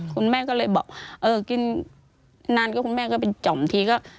คุณแม่ก็เลยบอกเออกินนานก็คุณแม่ก็เป็นจ่อมทีก็